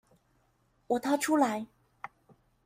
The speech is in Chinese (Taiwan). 我逃出來